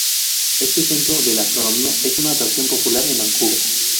Este centro de la astronomía es una atracción popular en Vancouver.